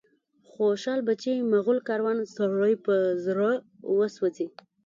خوشال بچي، مغول کاروان، سړی په زړه وسوځي